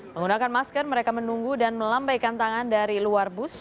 menggunakan masker mereka menunggu dan melambaikan tangan dari luar bus